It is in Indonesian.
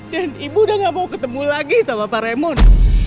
dan ibu udah gak mau ketemu lagi sama pak raymond